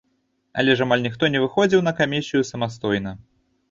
Але ж амаль ніхто не выходзіў на камісію самастойна.